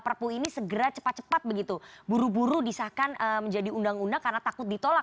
perpu ini segera cepat cepat begitu buru buru disahkan menjadi undang undang karena takut ditolak